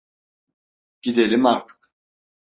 Gidelim artık.